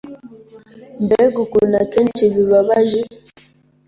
Mbega ukuntu akenshi bibabaje,